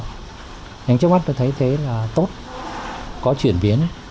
nhưng trước mắt tôi thấy thế là tốt có chuyển biến